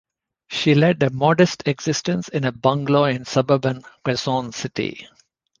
She led a modest existence in a bungalow in suburban Quezon City.